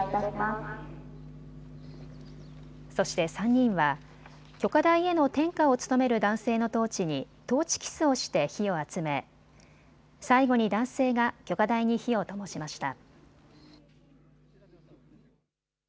そして３人は炬火台への点火を務める男性のトーチにトーチキスをして火を集め最後に男性が炬火台に火をともしました。